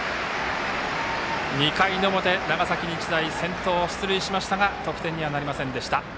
２回の表、長崎日大先頭出塁しましたが得点なりませんでした。